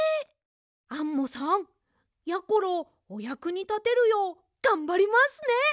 アンモさんやころおやくにたてるようがんばりますね！